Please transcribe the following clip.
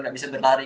gak bisa berlari